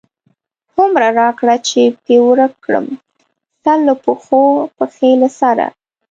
هومره راکړه چی پی ورک کړم، سر له پښو، پښی له سره